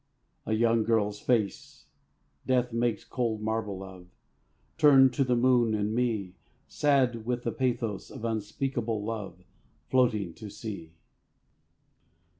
A young girl's face, death makes cold marble of, Turned to the moon and me, Sad with the pathos of unspeakable love, Floating to sea.